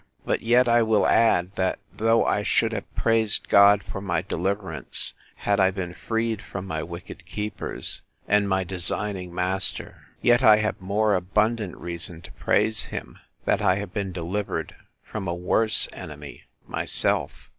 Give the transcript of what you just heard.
—But yet I will add, that though I should have praised God for my deliverance, had I been freed from my wicked keepers, and my designing master; yet I have more abundant reason to praise him, that I have been delivered from a worse enemy,—myself!